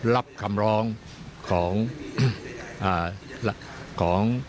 รับคำร้องของ